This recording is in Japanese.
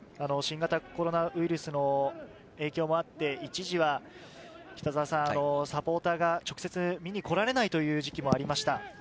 新型コロナウイルスの影響もあって一時は、サポーターが直接見に来られないという時期もありました。